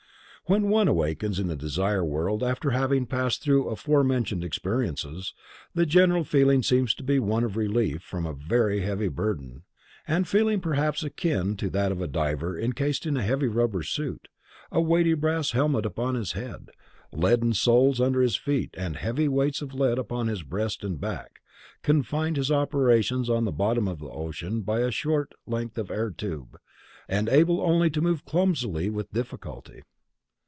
When one awakes in the Desire World after having passed through aforementioned experiences, the general feeling seems to be one of relief from a heavy burden, a feeling perhaps akin to that of a diver encased in a heavy rubber suit, a weighty brass helmet upon his head, leaden soles under his feet and heavy weights of lead upon his breast and back, confined in his operations on the bottom of the ocean by a short length of air tube, and able only to move clumsily with difficulty.